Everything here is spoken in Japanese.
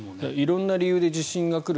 色んな理由で地震が来る。